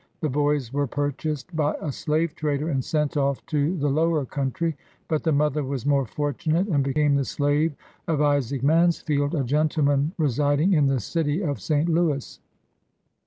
The boys were purchased by a slave trader, and sent off to the lower country; but the mother was more fortunate, and became the slave of Isaac Mansfield, a gentleman residing in the city of St. Louis.